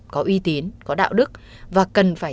có uy tín có đạo đức và cần phải